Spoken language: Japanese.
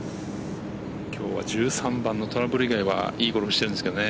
きょうは１３番のトラブル以外はいいゴルフしてるんですけどね